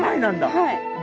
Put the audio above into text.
はい。